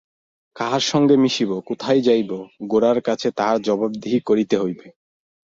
কাহার সঙ্গে মিশিব, কোথায় যাইব, গোরার কাছে তাহার জবাবদিহি করিতে হইবে!